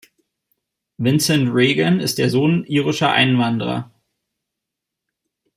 Vincent Regan ist der Sohn irischer Einwanderer.